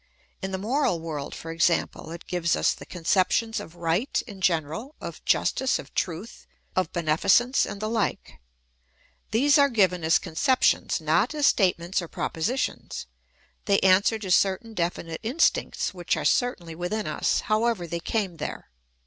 In the moral world, for example, it gives us the conceptions of right in general, of justice, of truth, of beneficence, and the like. These are given as conceptions, not as state ments or propositions ; they answer to certain definite instincts, which are certainly within us, however they came there.